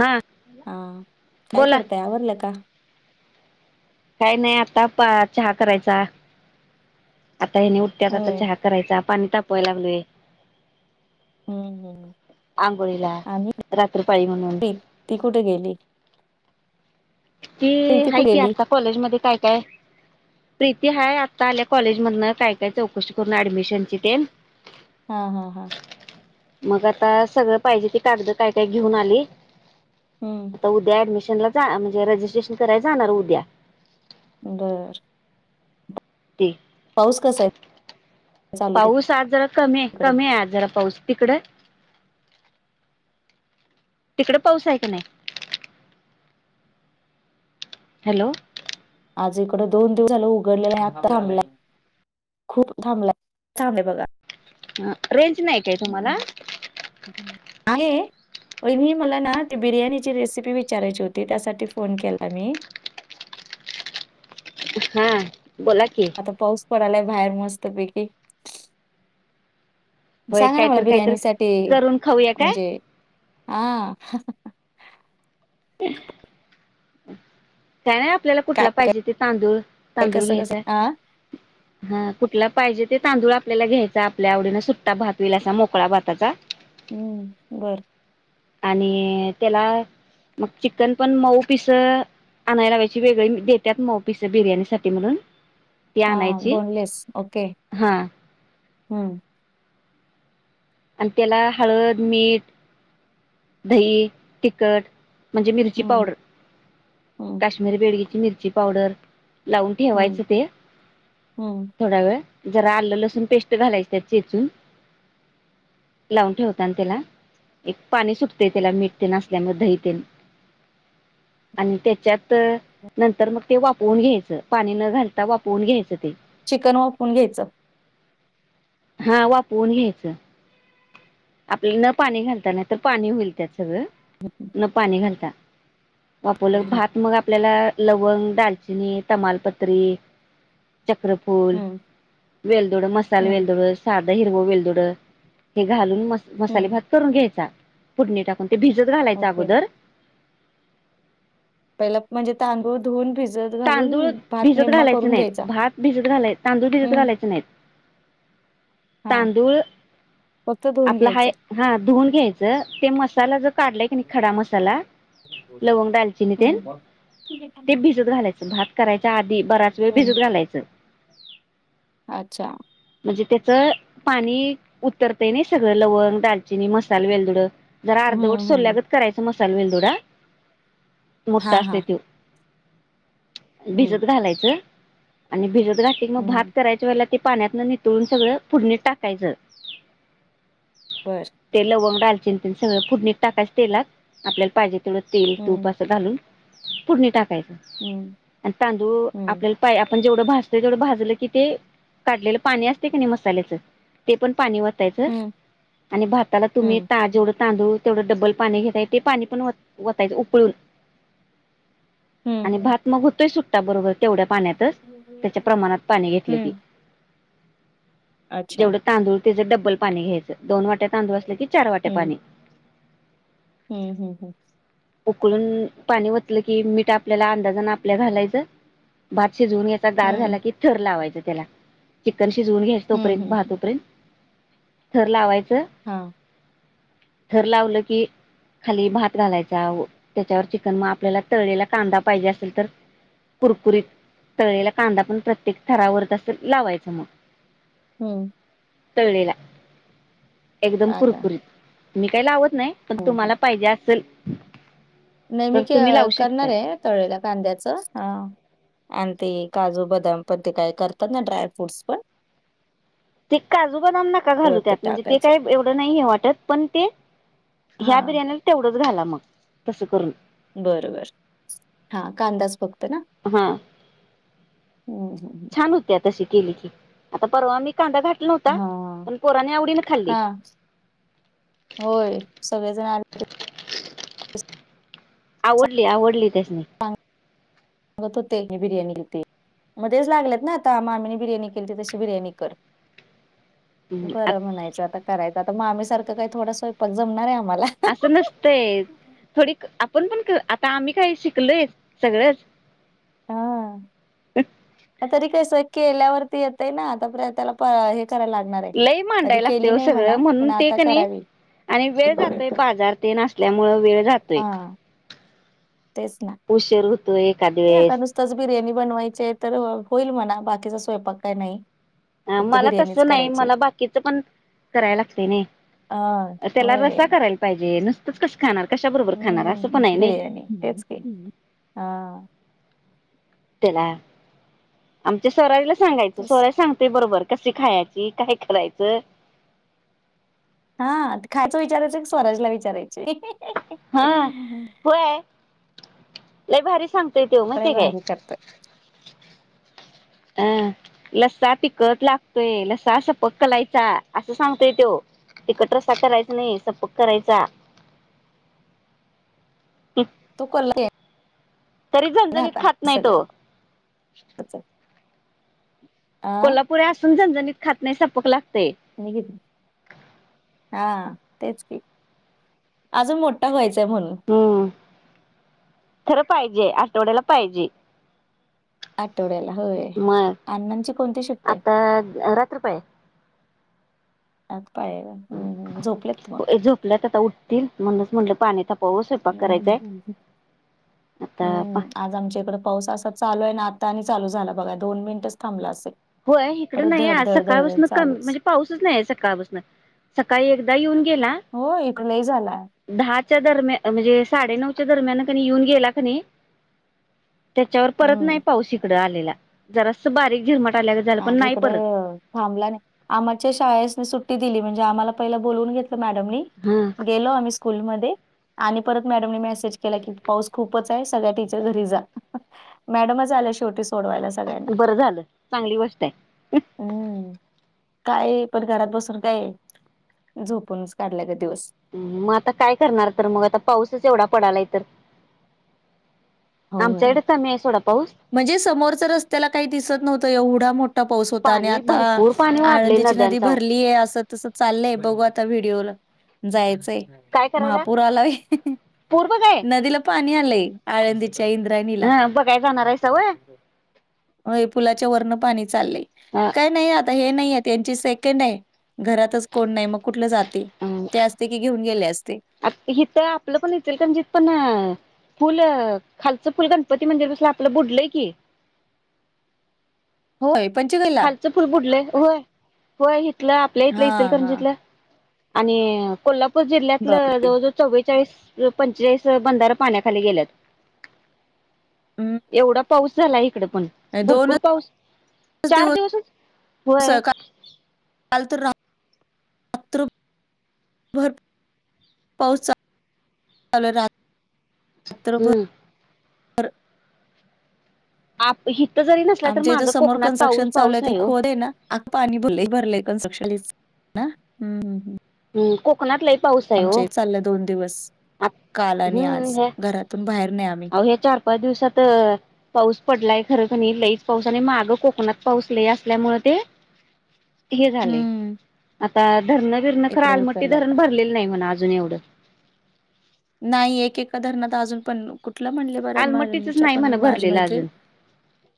हा हा काय बोला करताय आवरलं का. काय नाही आता चहा करायचा. आता हेनी उठत्यात आता होय चहा करायचा, पाणी तापवायला लागलोय. हम्म, हम्म. आंघोळीला आणि रात्र पाळी म्हणून प्रीती कुठे गेली. ती हाय कि आता कॉलेज मध्ये काय, काय. प्रीती हाय, आता आल्या कॉलेजमधन काय-काय चौकशी करून ऍडमिशनची तेन. हा, हा, हा. मग आता सगळं पाहिजे ती कागदं काय काय घेऊन आली. हम्म आता उद्या ऍडमिशनला जा म्हणजे रजिस्ट्रेशन कराय जाणार उद्या. बर. ते पाऊस कसा आहे? चालू पाऊस आज जरा कमी हाय, तिकडं कमी हाय आज जरा पाऊस तिकड? तिकडं पाऊस हाय का नाही? हॅलो. आज इकडं दोन दिवस झालं उघडलेलं नाही आत्ता थांबलाय. खूप थांबला छांन आहे बघा. अ रेंज नाही काय तुम्हाला. हम्म. आहे. वहिनी मला ना ती बिर्याणीची रेसिपी विचारायची होती. त्यासाठी फोन केलाता मी. [unintelligible] हा. बोला की आता पाऊस पडालाय बाहेर मस्त पैकी. होय सांगा ना मला काहीतरी काहीतरी बिर्याणी साठी करून खाऊया काय म्हणजे हा. [unintelligible] काय नाही आपल्याला काय कुठला पाहिजे ते तांदूळ काय तांदूळ कसं कसं घ्यायचाय. हा हा कुठला पाहिजे. ते तांदूळ आपल्याला घ्यायचा, आपल्या आवडीनें सुट्टा भात होईल असा मोकळा भाताचा. हम्म, बर. आणि त्याला मग चिकन पण मऊ. पिस आणाय लावायची वेगळी देत्यात मऊ पिस बिर्याणी साठी म्हणून. ती हा आणायची बोनलेस ओके हा हम्म. आणि त्याला हळद मीठ दही, तिखट म्हणजे मिरची हम्म पावडर हम्म काश्मीरी बेडगी मिरची पावडर लावून हम्म ठेवायचं ते हम्म थोडा वेळ. जरा आलं लसूण पेस्ट घालायच त्यात चेचून लावून ठेवतान त्याला एक पाणी सुटते त्याला मीठ तेन असल्यामुळे दहीतेन [unintelligible] आणि त्याच्यात नंतर मग ते वापवून घ्यायचं पाणी न घालता वापरवन घ्यायचं ते चिकन वाफवून घ्यायचं. हा वाफवून घ्यायचं, आपल्या न पाणी घालताना तर पाणी होईल त्याचं सगळं हम्म, न पाणी घालता. आणि वापवलं हा भात मग आपल्याला लवंग, दालचिनी, तमालपत्री चक्रफूल, हम्म वेलदोड, मसाला हम्म वेलद हिरवं वेलदोडं हे घालून मस्त मसाले हम्म भात करून घ्यायचा फोडणी टाकून भिजत घालायचं ओके अगोदर पहिला म्हणजे तांदूळ धुऊन भिज तांदूळ भिजत घालायचे नाहीत, भात भिजत घालाय तांदूळ भिजत हम्म घालायचे नाहीत. हा तांदूळ फक्त धुवून आपला हाय घ्यायचं. हा धुन घ्यायचं ते मसाला जर काढलाय की नाही खडा मसाला, लवंग, दालचिनी तेन हम्म ते भिजत घालाय भात करायच्या आधी बराच वेळ हम्म भिजत घालायचं. अच्छा. म्हणजे त्याचं पाणी उतरतय नाही सगळं लवंग, दालचिनी मसाला वेलदोड. जर हम्म अर्धवट हम्म सलल्यागत करायचा मसालं वेलदुडा हा मोठठा हा असतोय त्यो हम्म भिजत घालायचं आणि भिजत घातलं कि मग भात हम्म करायच्या वेळेला ते पाण्यातनं नितळून सगळं फोडणीत टाकायचं. बर ते लवंग डालचिन ते सगळं फोडणीत टाकायच तेलात आपल्याला पाहिजे. तेवढं तेल हम्म तूप असं घालून फूडणीत टाकायचं. हम्म आणि तांदूळ हम्म आपल्याला पाय पण जेवढं भाजतंय तेवढं भाजलं की, ते काढलेलं पाणी असते की नाही मसाल्याचं ते पण पाणी वा द्यायचं हम्म आणि भाताला तुम्ही हम्म ताजेवढं तांदूळ तेवढं डब्बल पाणी घेताय ते पाणी पण ओतायचं उकळून आणि हम्म भात मग होतोय सुट्टा बरोबर तेवढ्या पाण्यातच, त्याच्या प्रमाणात पाणी घेतलं की. हम्म अच्छा जेवढं तांदूळ त्याचं डब्बल पाणी घ्यायचं. दोन वाट्या तांदूळ असलं की चार वाट्या हम्म पाणी हम्म हम्म हम्म. उकळून पाणी वतलं की मीठ आपल्याला अंदाजान आपल्या घालायचं. भात शिजवून घ्यायचा गार हम्म झाला की थर लावायचा त्याला तर शिजवून घ्यायच हं, तोपर्यंत भात हं, हुपर्यंत. थर लावायचं हा. थर लावलं की खाली भात घालायचा, त्याच्यावर चिकन, मग आपल्याला तळलेला कांदा पाहिजे असेल तर कुरकुरीत, तळलेला कांदा पण प्रत्येक थरावर तस लावायच मग. हम्म. तळलेला. एकदम अच्छा. कुरकुरीत. मी काय लावत नाही. पण तुम्हाला पाहिजे असल नै मी करणार शकताय आहे तळलेल्या कांद्याचं, हं. आणि ते काजू, बदाम पण ते काय करतात ना ड्राय फ्रूटस पण ते काजू बदाम नका घालू वरती त्यात, म्हणजे ते टाकायचं. काही एवढं नाही हे वाटत पण ते ह्या हां, बिर्याणीला तेवढंच घाला मग, तसं करून. बरबर हां कांदाच फक्त क्त ना? हां हम्म हम्म हम्म. छान होत्या तशी केली की. आता परवा मी कांदा घातला नव्हता, हां, पण पोराने आवडीनं खाल्ली. हां. होय, सगळेजण आलते आवडली आवडली त्यासनी. गत तो तेगी बिर्याणी होती. मग तेच लागलेत ना आता, मामीने बिर्याणी केली तशी बिर्याणी कर. बरं म्हणायचं, आता करायचं आता मामी सारखं काही थोडा स्वयंपाक जमणार आहे आम्हाला. असं नसतंय. थोडी आपण पण आता आम्ही काय शिकलय सगळंच. हां. तरी कसं केल्यावरती येतय ना. आता पर्यंत त्याला कराला लागणार आहे लय कधी मांडायला केली लागते नाही सगळं म्हणा, पण म्हणून ते आता कणी करावी. आणि वेळ जातोय, बाजार तेन असल्यामुळे वेळ जातोय. हा तेच ना, उशीर होतोय एखाद हे आता वेळेस नुसतंच बिर्याणी बनवायचे तर होईल म्हणा बाकीचा स्वयंपाक काय नाही. अं फक्त मला बिर्याणीच तसं नाही करायची मला बाकीच पण करायला लागते नाही. अ त्याला होय रस्सा करायला पाहिजे नुसतंच कसं खाणार? कशा बरोबर खाणार असं पण आहे हम्म नाही बिर्याणी तेच की, हा. त्याला, आमच्या स्वराज ला सांगायचं तेच सोराय सांगते बरोबर. कशी खायची? काय करायचं? हां खायचं विचारायचं की स्वराजला विचारायचे. हां, होय, लय भारी सांग ते तेव अरे महितेय काय? भारी करतोय अं, लस्सा तिकत लागतोय. लस्सा सपक कलायचा. असं सांगतोय त्यो. तिकट रसा करायचा नाही सपक करायचा. [inaudible] तू कल की. तरी झणझणीत खात नाही तो. अ कोल्हापुर असून झणझणीत खात नाही सपक लाग नाही ग [unintelligible] हां तेच की, अजून मोठा व्हायचाय म्हणून. हम्म खरं पाहिजे, आठवड्याला पाहिजे. आठवड्याला होय. मग अण्णांची कोणती शिफ्ट आहे? आता रात्रपाळी हाय. [unintelligible] हम्म झोपलेत मग. झोपल्यात आता उठतील म्हणुनच म्हटलं पाणी ताप हं हं हं, आता हम्म आज आमच्या इकडं पाऊस असाच चालू आहे ना आ आणि चालू झाला बघा दोन मिनटच थांबला असेल. होय इकडं परत नाही धड आज धड धड धड सकाळपासून कमी चालूच. म्हणजे पाऊसच नाही आहे सकाळपासनं. सकाळी एकदा येऊन गेला. [unintelligible] झालाय. तच्या दरम्यान म्हणजे साडे नऊच्या दरम्यान कनी येऊन गेला कनी त्याच्यावर परत नाही हम्म पाऊस इकडं आलेला जरासं बारीक झिरमट आल्यागत झालं पण आज नाही परत इकडं थांबला नाही, आम्हाच्या शाळेस सुट्टी दिली म्हणजे आम्हाला पहिला बोलून घेत मॅडम नी, हा गेलो आम्ही स्कूल मध्ये आणि परत मॅडम नी मेसेज केला की पाऊस खूपच आहे सगळ्या टीचर घरी जा, मॅडमच आल्या शेवटी सोडवायला सगळ्यांना. बरं झालं चांगली गोष्ट आहे. हम्म काय पण घरात बसून काय झोपूनच काढल्या गत. हं, मग आता काय करणार तर मग आता पाऊसच एवढा पडालाय तर. आमच्या होय इकडे कमी हाय सोडा. पाऊस म्हणजे समोरच रस्त्याला काही दिसत नव्हतं एवढा मोठा पाऊस होता आणि पाणी आता आ भरपूर पाणी वाढले आळंदीची नदी नद्यांचा भरलीय अस तस चाललंय बघू आता व्हिडओला जायचं. तहे काय करायला महापूर आलाय, पूर बघाय नदीला पाणी आलंय आळंदी च्या इंद्रायणीला, ह बघाय जाणार आहेसा व्हय होय पुलाच्या वर्णन पाणी चाललंय काही नाही आता हे नाही त्यांची सेकंड आहे घरातच कोण नाही मग कुठलं जात ते असते की घेऊन गेले अस हिथ आपलं पण इचलकरंजी पण, पुल खालचं फुल गणपती मंदिर तसल आपलं बुडलंय की. होय. पंचगला खालचं फुल बुडलंय होय, होय इथलं आपल्या इथलं हा हा इचलकरंजीतलं. आणि कोल्हापूर जिल्ह्यातलं बापरे जवळ जवळ चववे चाळीस पंचेचाळीस बंधार पाण्याखाली गेल्यात, हम्म. एवढा पाऊस झाला इकडे पण नाही, भरपूर पाऊस चार दिवस दिवसच, वय. काल त रा भरपूर पाऊसचा [inaudible] रात्रभर हम्म पर आप ही, आमच्या इथं समोर कन्स्ट्रक्शन चालू आहे ते खोद आहे ना आत पाणी भरलंय क्स्ट्रक्शन, ना हम् हम हम्म कोकणात लय पाऊस आहे हो आमच्या चाललं दोन दिवस. काल आणि आज घरातून बाहेर नाही आम् आहो हे चार पाच दिवसात पाऊस पडला, खर क लईच पाऊस आणि माग कोकणात पाऊस लई असल्यामुळे ते, हे झालंय, हम्म, आता धरणं विरणं खरं इकडे आलमटी उतरलाय धरण आता. भरलेली नाही म्हणा अजून एवढं. नाही एकका धरणात अजून पण कुठलं म्हणले आलमट्टीचच बरंमच्या नाही पण म्हणा माझी भरलेलं मैत्रीण अजून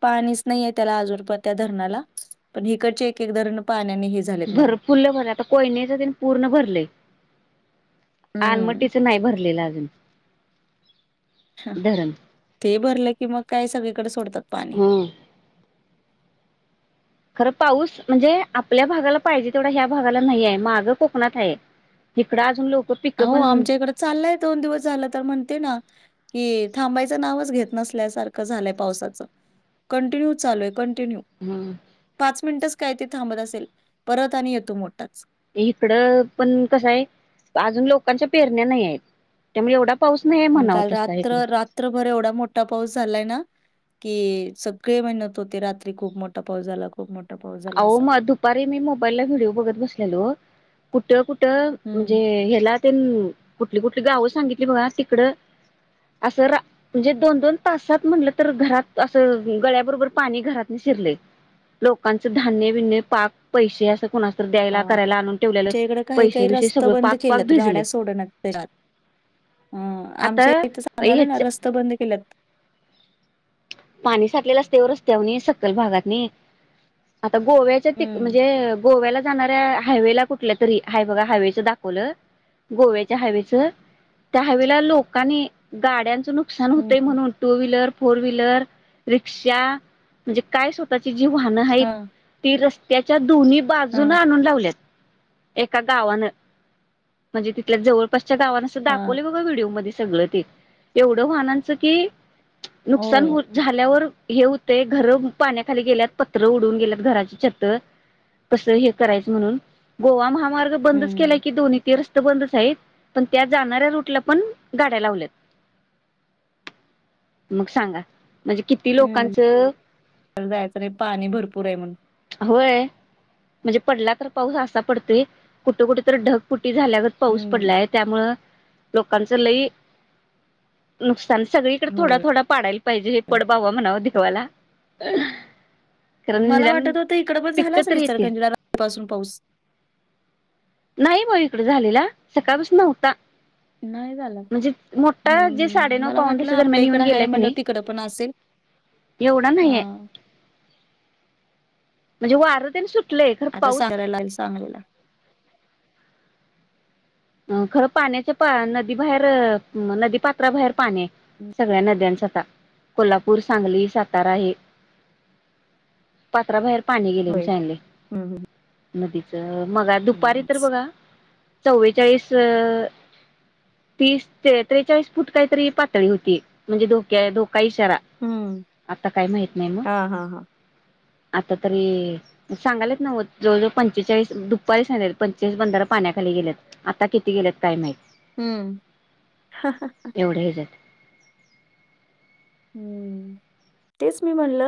पाणीच नाही आहे त्याल अजून पण. त्या धरणाला पण इकड चे एक एक धरण पा भर फुल भरले आता कोयन्याच तेन पूर्ण भरलय. हम्म, आलमटीच नाही भरलेलं अजून. ह धरण ते भरलं कि मग काय सगळीकडे सोडतात पाणी. हम्म [inaudible] खरं पाऊस म्हणजे आपल्या भागाला पाहिजे तेवढा ह्या भागाला नाही आहे मागं कोकणात आहे. इकडाजून लोक पिकं आहो पण आमच्या इकडे चाललाय दोन दिवस झाले ना म्हणते ना कीइ. थांबायचं नावच घेत नसल्यासारखं झालंय पावसाचं कंटिन्यू चालूय कण टिन्यू हम्म पाच मिंटच काय ते थांबत असेल परत आणि येतो मोठाच, इकडं पण कसं आहे अजून लोकांच्या पेरण्या नाही आहेत त्यामुळे एवढा. पाऊस नाही म म्हणाव काल तसा रात्र इकडे रात्रभर एवढा मोठा पाऊस झालाय ना. कि सगळे म्हणत होते रात्री खूप मोठा पाऊस झाला खूप मो आहो मग दुपारी मी मोबाईलला व्हिडिओ बघत बसलेलो कुठे कु ट हम्म. म्हणजे ह्याला ते कुठली कुठली गावं सांगितली बघा तिकडं, असं रा म्हणजे दोन दोन तासात म्हणलं तर घरात असं गळ्याबरोबर पाणी घरातन शी शिरलेत लोकांच धान्य, बिन्य पाक पैसे असं कोणा, तर अ, द्यायला आमच्या करायला आणून ठेवलेलं इकडे काही पैसे काही बसे रस्त सगळं बंद पाक पाक केल्यात भिजले. गाड्या सोडनात त्याच्यात. अ आता आमच्या इथं सांगाल ना ह्याच रस्ते बंद केल्यात. पाणी साठलेलं असतेव रस्त्यावर सकल भागात नी. त गोव्या तिक हम्म म्हणजे गोव्याला, जाणाऱ्या हायवेला कुठल्या तरी हाय बघा हायवेचं दाखवलं गोव्याच्या हायवेचं त्या हायवेला लोकांनी गाड्यांचं नुकसान हम्म होतय म्हणून two wheeler, four wheeler, rickshaw, म्हणजे काय स्वतःची जी वाहनं आहेत हा. ती रस्त्याच्या दोन्ही बाजूनं हा आणून लावल्यात. एका गावानं म्हणजे तिथल्या जवळपासच्या गावांन असं हा दाखवले बघा व्हिडिओमध्ये सगळ ते एवढं वाहनांचं की नुकसान होय हो झाल्यावर हे हुंतय, घरं पाण्याखाली गेल्यात, पत्र उडवून गेल्यात, घराची छत. कस हे करायचं म्हणून गोवा महामार्ग बंदच केलाय हम्म की दोन्ही ते रस्ते बंदच आहेत पण त्या जाणाऱ्या रूटला पण गाड्या लावल्यात. मग सांगा? म्हणजे किती हम्म लोकांचं तर जायचं नाही पाणी भरपूर आहे म्हणून होय म्हणजे पडला तर पाऊस असा पडतोय कुठ-कुठे तर ढगफु टी झाल्यागत पाऊस हम्म पडलाय त्यामुळ, लोकांच लय नुक सान सगळीकडे थोडा होय थोडा पाडायला पाहिजे. पड बाबा म्हणावं देवाला आआ मला वाटत होत इकडं पण झाला असल येतील इचलकरंजीला रात्रीपासून पाऊस. नाही बाई इकड झालेला, सकाळपासन नव्हता. नाही झाला म्हणजे हम्म मोठा जे हम्म साडेनऊ मला पावणे वाटलं दहाच्या आपल्या दरम्यान येऊन इकडं आहे गेला क म्हणलं नाही तिकडं पण असेल एवढा नाहीे हा हाय, म्हणजे वारं तेन सुट लंय खर आता पाऊस सांगायला लागेल सांगलीला अ, खरं पाण्याच्या नदी बाहेर, नदीपात्राबाहेर पाणी आहे, सगळ्या नद्यांच कोल्हापूर, सांगली, सातारा आहे पात्राबाहेर पाणी गेलेय म्हणून होय हम्म हम्म सांगितलंय नदीच मघा दुपारी तर छानच. बघा चाळीस. तीस त्रेचाळीस फूट काहीतरी पातळी होती म्हणजे धोक्या धोक का इशारा हम्म आता काय माहीत नाही मग. हा हा हा आता तरी सांगालेत नव्ह जवळ जवळ पंचेचाळीस दुपारी सांगितलेलं पंचेचाळीस बंधार पाण्या खाली गेल्यात आता किती गेलयात काय माहिती? हम, हाहा एवढ्या ह्याच्यात हम्म तेच मी म्हणलं